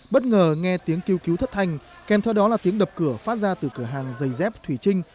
bất ngờ nghe tiếng kêu cứu thất thanh kèm theo đó là tiếng đập cửa phát ra từ cửa hàng giày dép thủy trinh